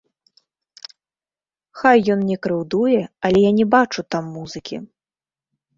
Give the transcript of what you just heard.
Хай ён не крыўдуе, але я не бачу там музыкі.